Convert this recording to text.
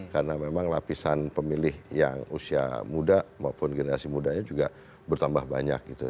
karena memang lapisan pemilih yang usia muda maupun generasi mudanya juga bertambah banyak gitu